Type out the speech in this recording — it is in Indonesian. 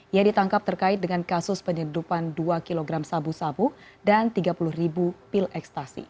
ia ditangkap terkait dengan kasus penyedupan dua kg sabu sabu dan tiga puluh ribu pil ekstasi